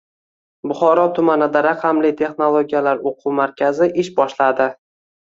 Buxoro tumanida raqamli texnologiyalar o‘quv markazi ish boshladi